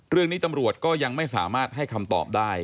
เรื่องนี้ตำรวจก็ยังไม่สามารถให้คำตอบได้